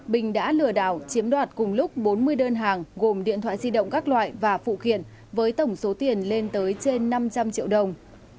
bình đã lừa đảo chiếm đoạt cùng lúc bốn mươi đơn hàng gồm điện thoại di động các loại và phụ kiện với tổng số tiền lên tới trên năm trăm linh triệu đồng